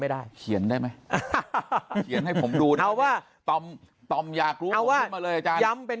ไม่ได้เขียนได้ไหมให้ผมดูแล้วว่าตอมตอมอยากรู้ว่าย้ำเป็น